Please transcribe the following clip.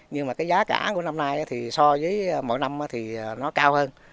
nhưng mà giá cả của năm nay so với mỗi năm thì nó cao hơn